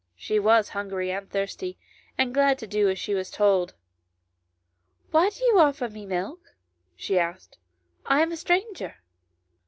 She was hungry and thirsty, and glad to do as she was told. " Why do you offer me milk ?" she asked ;" I am a stranger."